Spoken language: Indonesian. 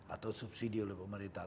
atau subsidi oleh pemerintah